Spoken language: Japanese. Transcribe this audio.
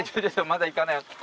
まだ行かないよ。